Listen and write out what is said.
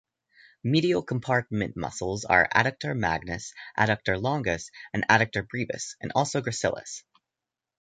Medial compartment muscles are adductor magnus, adductor longus and adductor brevis, and also gracilis.